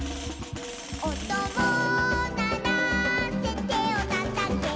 「おとをならせてをたたけ」